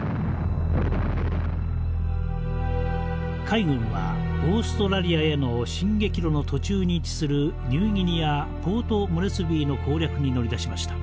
海軍はオーストラリアへの進撃路の途中に位置するニューギニア・ポートモレスビーの攻略に乗り出しました。